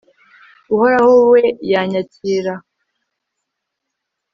uhoraho we yanyakira